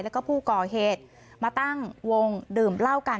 แล้วก็ผู้ก่อเหตุมาตั้งวงดื่มเหล้ากัน